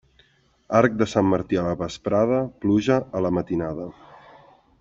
Arc de Sant Martí a la vesprada, pluja a la matinada.